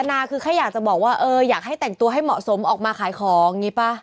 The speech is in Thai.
นาคือแค่อยากจะบอกว่าเอออยากให้แต่งตัวให้เหมาะสมออกมาขายของอย่างนี้ป่ะ